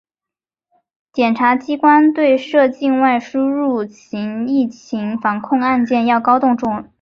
检察机关对涉境外输入型疫情防控案件要高度重视